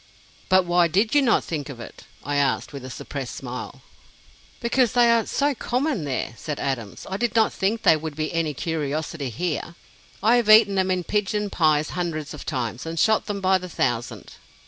"But why did you not think of it?" I asked, with a suppressed smile. "Because they are so common there," said Adams. "I did not think they would be any curiosity here. I have eaten them in pigeon pies hundreds of times, and shot them by the thousand!"